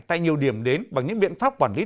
tại nhiều điểm đến bằng những biện pháp quản lý